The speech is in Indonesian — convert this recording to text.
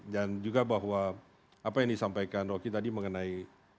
juga bahwa apa yang disampaikan rocky tadi mengenai